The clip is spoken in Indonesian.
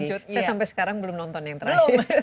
saya sampai sekarang belum nonton yang terakhir